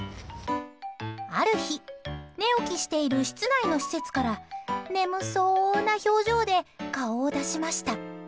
ある日、寝起きしている室内の施設から眠そうな表情で顔を出しました。